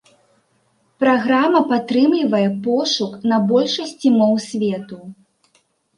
Праграма падтрымлівае пошук на большасці моў свету.